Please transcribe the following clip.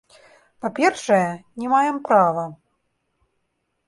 Па-першае, не маем права.